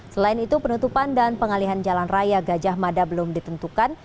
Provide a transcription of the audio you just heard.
selain itu penutupan dan pengalihan jalan raya gajah mada belum ditentukan